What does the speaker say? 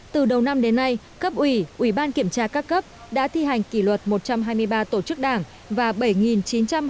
từ đầu năm đến nay cấp ủy ủy ban kiểm tra các cấp đã thi hành kỷ luật một trăm hai mươi ba tổ chức đảng và bảy chín trăm hai mươi ba đảng viên vi phạm